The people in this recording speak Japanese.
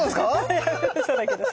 いやうそだけどさ。